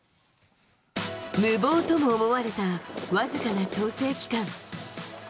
無謀とも思われた僅かな調整期間。